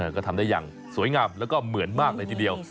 ก็ทำได้อย่างสวยงามแล้วก็เหมือนมากเลยทีเดียว